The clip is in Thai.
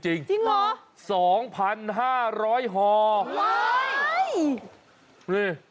จริงเหรอ